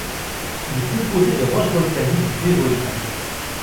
Il est composé de roches volcaniques du Dévonien.